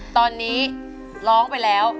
ตอนนี้ร้องไปแล้ว